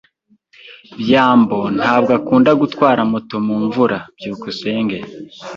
byambo ntabwo akunda gutwara moto mu mvura. byukusenge